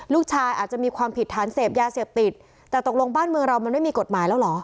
อาจจะมีความผิดฐานเสพยาเสพติดแต่ตกลงบ้านเมืองเรามันไม่มีกฎหมายแล้วเหรอ